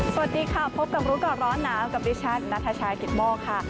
สวัสดีค่ะพบกับรู้ก่อนร้อนหนาวกับดิฉันนัทชายกิตโมกค่ะ